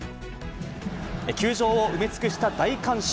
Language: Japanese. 球場を埋め尽くした大観衆。